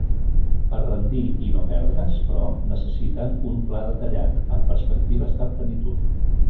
Per rendir i no perdre's, però, necessiten un pla detallat, amb perspectives de plenitud.